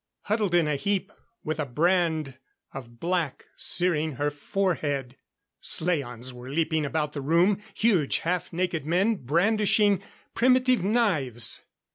Huddled in a heap, with a brand of black searing her forehead. Slaans were leaping about the room huge, half naked men brandishing primitive knives.